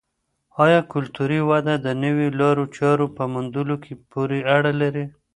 آیا کلتوري وده د نویو لارو چارو په موندلو پورې اړه لري؟